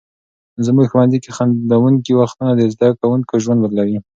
زموږ ښوونځي کې خندونکي وختونه د زده کوونکو ژوند بدلوي.